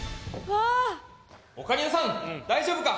オカリナさん大丈夫か！